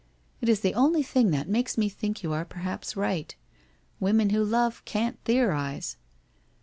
It is the only thing that makes me think you are perhaps right. Women who love can't theorize.'